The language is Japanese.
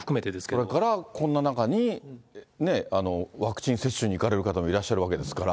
それから、こんな中にワクチン接種に行かれる方もいらっしゃるわけですから。